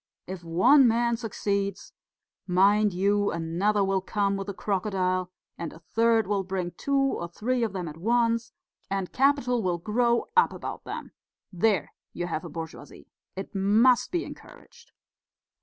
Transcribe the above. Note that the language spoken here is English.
If one man succeeds, mind you, another will come with a crocodile, and a third will bring two or three of them at once, and capital will grow up about them there you have a bourgeoisie. It must be encouraged."